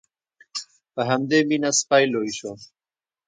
په همدې مینه سپی لوی شو.